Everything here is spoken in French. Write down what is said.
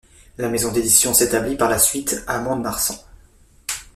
La maison d'édition s'établit par la suite à Mont-de-Marsan.